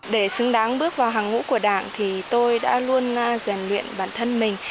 để xứng đáng bước vào hàng ngũ của đảng thì tôi đã luôn rèn luyện bản thân mình